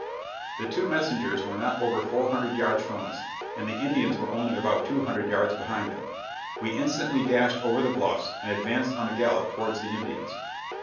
The two messengers were not over four hundred yards from us, and the Indians were only about two hundred yards behind them. We instantly dashed over the bluffs, and advanced on a gallop towards the Indians.